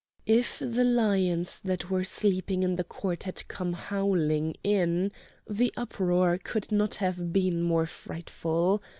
If the lions that were sleeping in the court had come howling in, the uproar could not have been more frightful.